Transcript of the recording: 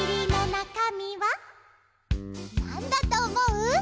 なんだとおもう？